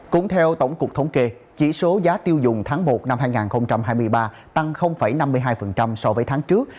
cũng theo tổng cục thống kê chỉ số giá tiêu dùng tháng một năm hai nghìn hai mươi ba tăng năm mươi hai so với tháng trước